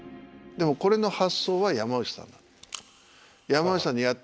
でもこれの発想は山内さんなんだ。